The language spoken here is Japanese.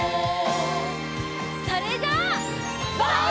それじゃあ。